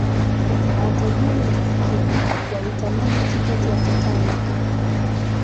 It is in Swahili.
matajiri na maskini walitamani tiketi ya titanic